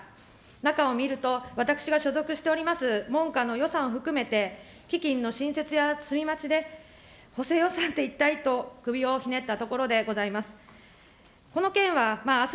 中を見ると、私が所属しておりますもんかの予算を含めて基金の新設や積み増しで補正予算って一体と首をひねったところでございます。